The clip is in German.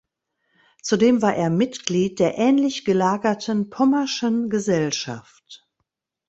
Zudem war er Mitglied der ähnlich gelagerten Pommerschen Gesellschaft.